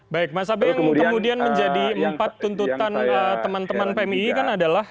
baik mas abe yang kemudian menjadi empat tuntutan teman teman pmii kan adalah